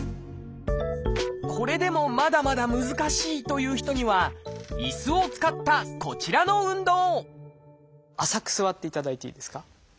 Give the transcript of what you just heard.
これでもまだまだ難しいという人には椅子を使ったこちらの運動浅く座っていただいていいですか。